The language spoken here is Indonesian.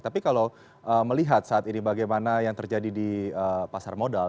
tapi kalau melihat saat ini bagaimana yang terjadi di pasar modal